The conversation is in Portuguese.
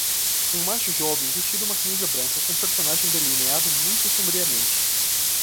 Um macho jovem vestindo uma camisa branca com um personagem delineado muito sombriamente.